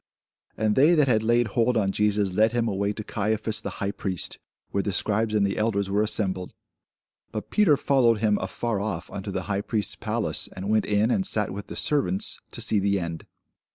And they that had laid hold on Jesus led him away to Caiaphas the high priest, where the scribes and the elders were assembled. But Peter followed him afar off unto the high priest's palace, and went in, and sat with the servants, to see the end.